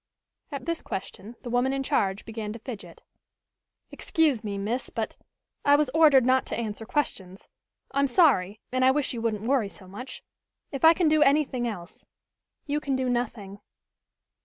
At this question the woman in charge began to fidget. "Excuse me, miss, but I was ordered not to answer questions. I'm sorry, and I wish you wouldn't worry so much. If I can do anything else " "You can do nothing."